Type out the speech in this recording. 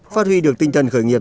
phát huy được tinh thần khởi nghiệp